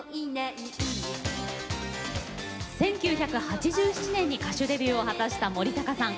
１９８７年に歌手デビューを果たした森高さん。